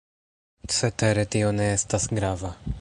Cetere tio ne estas grava.